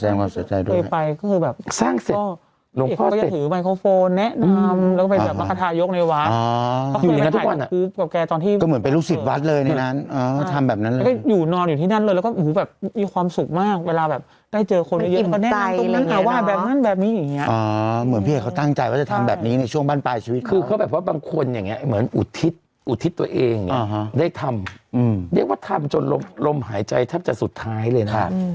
อยู่นั้นทุกวันนะก็เหมือนเป็นลูกศิษย์วัดเลยในนั้นทำแบบนั้นเลยอยู่นอนอยู่ที่นั้นเลยแล้วก็มีความสุขมากเวลาแบบได้เจอคนเยอะแล้วก็แน่นอนตรงนั้นอาวาสแบบนั้นแบบนี้อย่างนี้เหมือนพี่ให้เขาตั้งใจว่าจะทำแบบนี้ในช่วงบ้านปลายชีวิตคือเขาแบบว่าบางคนอย่างนี้เหมือนอุทิศอุทิศตัวเองได้ทำเรียกว่าทำจน